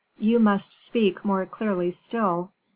"You must speak more clearly still."